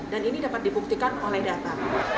dan ini dapat dibuktikan oleh data